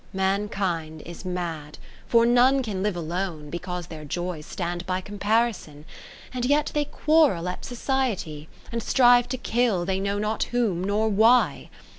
Mankind is mad ; for none can live alone, Because their joys stand by com parison : And yet they quarrel at society, And strive to kill they know not whom, nor why.